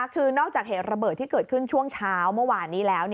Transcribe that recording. คือนอกจากเหตุระเบิดที่เกิดขึ้นช่วงเช้าเมื่อวานนี้แล้ว